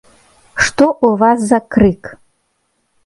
Што ў вас за крык?